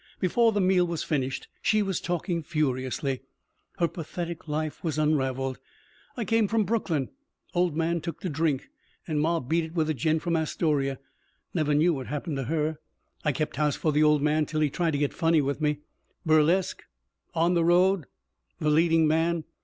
Before the meal was finished, she was talking furiously. Her pathetic life was unravelled. "I come from Brooklyn ... old man took to drink, an' ma beat it with a gent from Astoria ... never knew what happened to her.... I kept house for the old man till he tried to get funny with me.... Burlesque ... on the road ... the leading man....